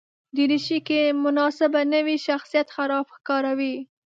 دریشي که مناسبه نه وي، شخصیت خراب ښکاروي.